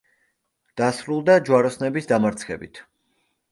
დასრულდა ჯვაროსნების დამარცხებით.